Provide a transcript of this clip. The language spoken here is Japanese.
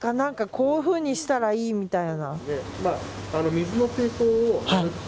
こういうふうにしたらいいみたいな。